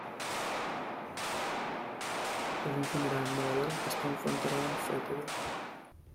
Tras un funeral en Nueva York, Stone fue enterrado en Fayetteville.